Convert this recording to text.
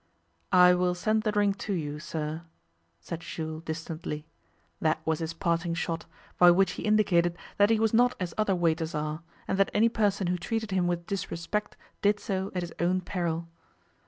'I will send the drink to you, sir,' said Jules distantly. That was his parting shot, by which he indicated that he was not as other waiters are, and that any person who treated him with disrespect did so at his own peril.